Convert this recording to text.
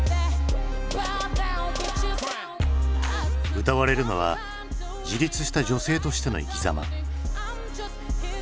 歌われるのは自立した女性としての生きざま。